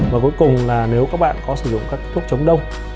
và cuối cùng là nếu các bạn có sử dụng các thuốc chống đông